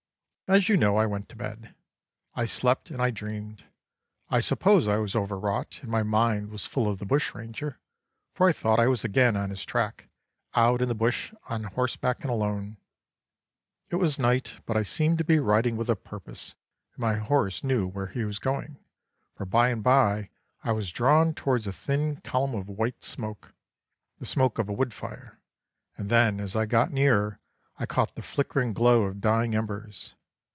As you know I went to bed. I slept and I dreamed. I suppose I was over wrought, and my mind was full of the bushranger, for I thought I was again on his track, out in the bush, on horseback and alone. It was night, but I seemed to be riding with a purpose, or my horse knew where he was going, for by and by I was drawn towards a thin column of white smoke, the smoke of a wood fire, and then, as I got nearer, I caught the flickering glow of dying embers.